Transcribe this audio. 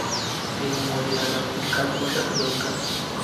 তিনি মদিনাগামী একটি কাফেলার সাথে যোগ দেন।